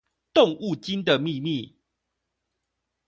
動物精的祕密